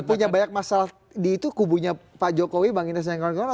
yang punya banyak masalah di itu kubunya pak jokowi bang ines nengkongkola